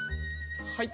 はい。